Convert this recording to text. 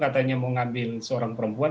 katanya mau ngambil seorang perempuan